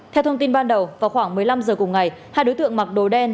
theo thông tin ban đầu vào khoảng một mươi năm h cùng ngày hai đối tượng mặc đồ đen